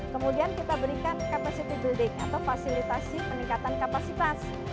kemudian kita berikan capacity building atau fasilitasi peningkatan kapasitas